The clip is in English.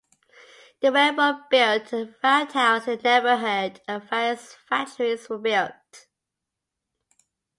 The railroad built a roundhouse in the neighborhood, and various factories were built.